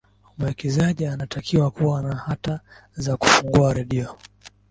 mwekezaji anatakiwa kuwa na hati za kufungua redio